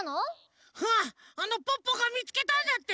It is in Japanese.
うんポッポがみつけたんだって。